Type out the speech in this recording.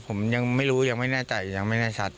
ผมยังไม่รู้ยังไม่แน่ใจยังไม่แน่ชัด